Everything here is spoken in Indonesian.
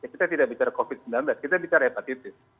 kita tidak bicara covid sembilan belas kita bicara hepatitis